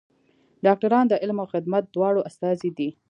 ډاکټران د علم او خدمت دواړو استازي دي.